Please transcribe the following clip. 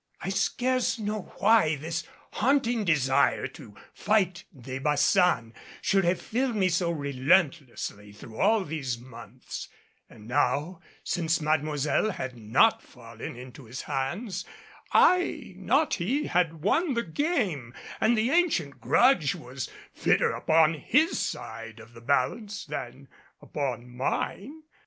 I scarce know why this haunting desire to fight De Baçan should have filled me so relentlessly through all these months; and now since Mademoiselle had not fallen into his hands, I not he had won the game, and the ancient grudge was fitter upon his side of the balance than upon mine.